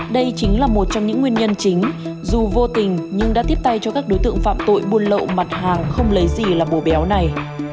đây chính là một trong những nguyên nhân chính dù vô tình nhưng đã tiếp tay cho các đối tượng phạm tội buôn lậu mặt hàng không lấy gì là bồ béo này